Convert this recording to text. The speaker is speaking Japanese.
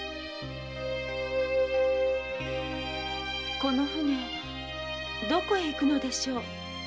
この船はどこへ行くのでしょう？